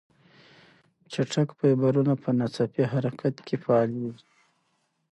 چټک فایبرونه په ناڅاپي حرکت کې فعالېږي.